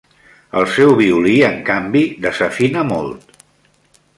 El seu violí, en canvi, desafina molt.